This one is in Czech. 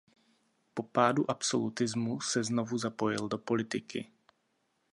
Po pádu absolutismu se znovu zapojil do politiky.